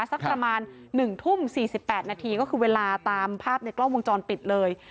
สักประมาณหนึ่งทุ่มสี่สิบแปดนาทีก็คือเวลาตามภาพในกล้องวงจรปิดเลย